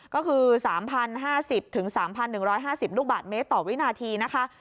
ก็คือ๓๐๕๐๓๑๕๐ลูกบาทเมตรต่อวินาทีนะคะ